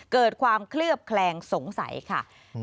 เกิดความเคลือบแคลงสงสัยค่ะ